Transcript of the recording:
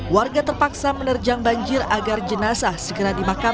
warga terpaksa menerjang banjir agar jenazah segera dimakamkan